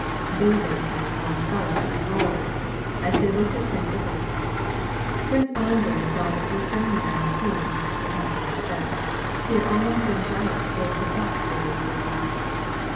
Bilibin and "our fellows" roared, as they looked at Prince Ippolit. Prince Andrei saw that this young man of whom (it must be confessed) he had almost been jealous was the butt for this circle.